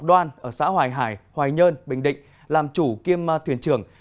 đoan ở xã hoài hải hoài nhơn bình định làm chủ kiêm thuyền trưởng